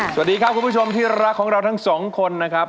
สวัสดีครับคุณผู้ชมที่รักของเราทั้งสองคนนะครับ